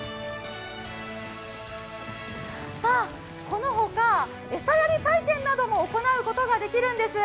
このほか餌やり体験なども行うことができるんです。